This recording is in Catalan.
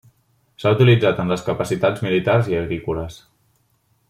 S'ha utilitzat en les capacitats militars i agrícoles.